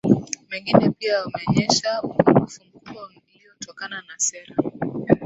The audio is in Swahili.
mengine pia yameonyesha upungufu mkubwa uliotokana na sera